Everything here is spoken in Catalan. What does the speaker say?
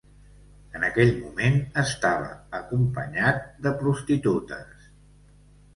En aquell moment estava acompanyat de prostitutes.